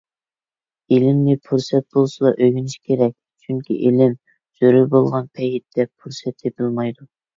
ئىلىمنى پۇرسەت بولسىلا ئۆگىنىش كېرەك، چۈنكى ئىلىم زۆرۈر بولغان پەيتتە پۇرسەت تېپىلمايدۇ.